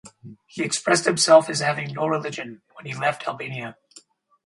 He expressed himself as having "no religion" when he left Albania.